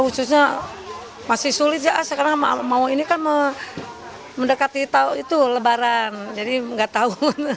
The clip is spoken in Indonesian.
khususnya masih sulit ya sekarang mau ini kan mendekati itu lebaran jadi nggak tahu